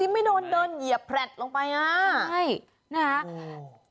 นี่ไม่โดนเดินเหยียบแผลดลงไปน่ะนะฮะโอ้โฮ